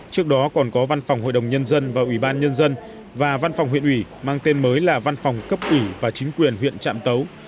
trước đó còn có văn phòng hội đồng nhân dân và ủy ban nhân dân và văn phòng huyện ủy mang tên mới là văn phòng cấp ủy và chính quyền huyện trạm tấu